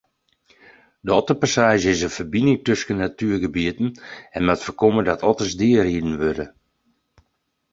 De otterpassaazje is in ferbining tusken natuergebieten en moat foarkomme dat otters deariden wurde.